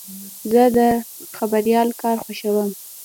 زه د خبریال کار خوښوم.